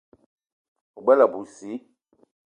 O gbele abui sii.